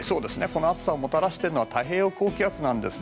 この暑さをもたらしているのは太平洋高気圧です。